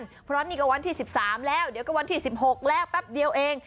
เพราะว่านี่ก็วันที่สิบสามแล้วเดี๋ยวก็วันที่สิบหกแล้วแป๊บเดียวเอง